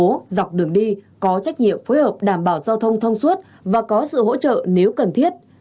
các tỉnh thành phố dọc đường đi có trách nhiệm phối hợp đảm bảo giao thông thông suốt và có sự hỗ trợ nếu cần thiết